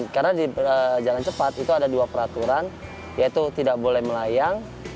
karena di jalan cepat itu ada dua peraturan yaitu tidak boleh melayang